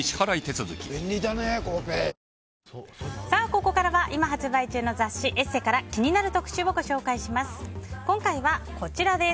ここからは今発売中の雑誌「ＥＳＳＥ」から気になる特集をご紹介します。